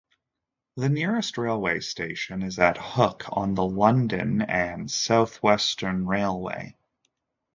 The nearest railway station is at Hook, on the London and South Western Railway.